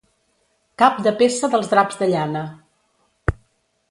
Cap de peça dels draps de llana.